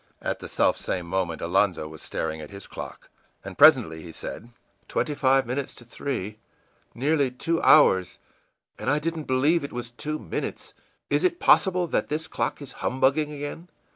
î At the self same moment Alonzo was staring at his clock. And presently he said: ìTwenty five minutes to three! Nearly two hours, and I didn't believe it was two minutes! Is it possible that this clock is humbugging again?